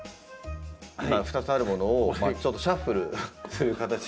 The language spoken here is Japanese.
今２つあるものをちょっとシャッフルする形。